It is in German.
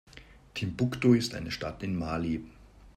Timbuktu ist eine Stadt in Mali.